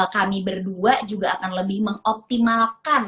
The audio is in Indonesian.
kami berdua juga akan lebih mengoptimalkan